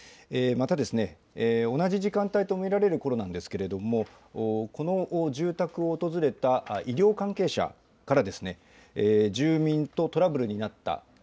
また同じ時間帯と見られるころなんですがこの住宅を訪れた医療関係者から住民とトラブルになった。